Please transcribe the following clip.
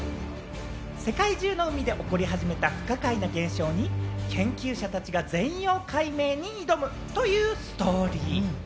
世界中の海で起こり始めた不可解な現象に、研究者たちが全容解明に挑むというストーリー。